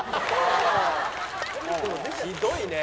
「ひどいね」